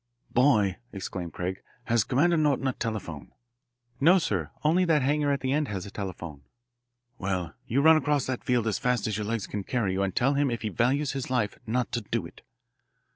"Boy," exclaimed Craig, "has Cdr. Norton a telephone?" "No, sir, only that hangar at the end has a telephone." "Well, you run across that field as fast as your legs can carry you and tell him if he values his life not to do it."